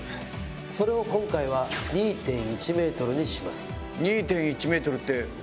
それを今回は２．１ｍにします。